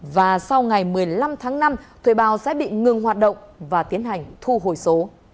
và sau ngày một mươi năm tháng năm thuê bao sẽ bị ngừng hoạt động và tiến hành thu hồi số